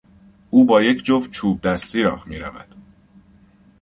او با یک جفت چوبدستی راه میرود.